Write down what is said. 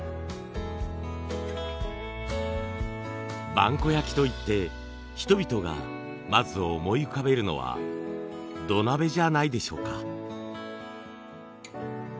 萬古焼といって人々がまず思い浮かべるのは土鍋じゃないでしょうか。